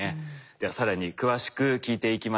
では更に詳しく聞いていきましょう。